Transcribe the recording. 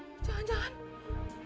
ini cilengan kok ada disini